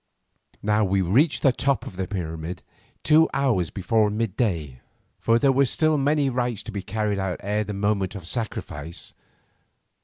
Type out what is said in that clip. Now we reached the top of the pyramid, two hours before midday, for there were still many rites to be carried out ere the moment of sacrifice.